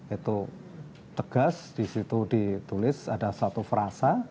itu tegas disitu ditulis ada satu frasa